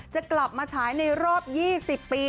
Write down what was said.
จะกลับมาฉายในรอบ๒๐ปี